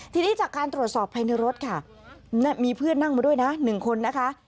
ทีนี้จากการตรวจสอบภายในรถค่ะมีเพื่อนนั่งมาด้วยนะ๑คนนะคะ